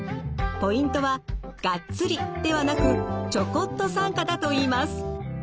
ポイントは「がっつり」ではなく「ちょこっと」参加だといいます。